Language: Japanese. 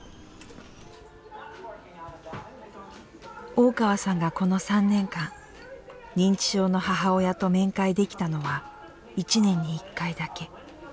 大川さんが、この３年間認知症の母親と面会できたのは１年に１回だけ。